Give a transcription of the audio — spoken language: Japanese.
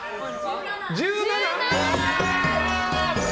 １７！